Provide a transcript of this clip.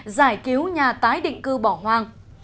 giải cứu nhà tái định cư bỏ hoang